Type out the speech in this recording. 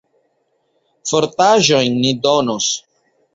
Fotaĵojn ni donos.